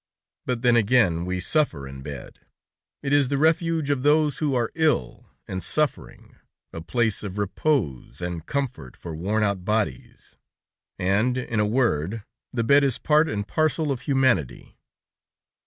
"But then again, we suffer in bed! It is the refuge of those who are ill and suffering; a place of repose and comfort for worn out bodies, and, in a word, the bed is part and parcel of humanity.